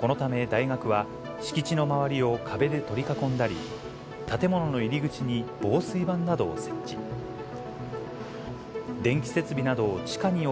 このため大学は、敷地の周りを壁で取り囲んだり、建物の入り口に防水板などを設置。